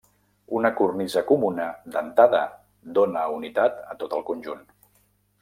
Una cornisa comuna dentada dóna unitat a tot el conjunt.